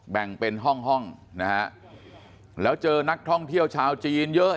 แบ่งเป็นห้องห้องนะฮะแล้วเจอนักท่องเที่ยวชาวจีนเยอะ